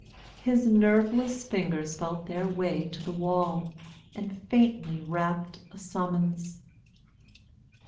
His nerveless fingers felt their way to the wall and faintly rapped a summons.